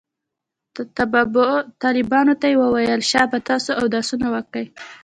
طلباو ته يې وويل شابه تاسې اودسونه وكئ.